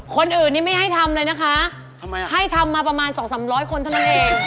คนอื่นนี่ไม่ให้ทำเลยนะคะทำไมอ่ะให้ทำมาประมาณสองสามร้อยคนเท่านั้นเอง